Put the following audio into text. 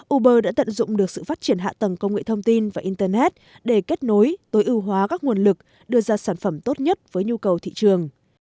uber đã tận dụng được sự phát triển hạ tầng công nghệ thông tin và internet để kết nối tối ưu hóa các nguồn lực đưa ra sản phẩm tốt nhất với nhu cầu thị trường